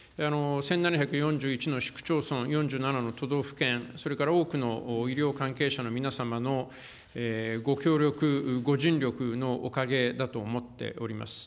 １７４１の市区町村、４７の都道府県、それから多くの医療関係者の皆様のご協力、ご尽力のおかげだと思っております。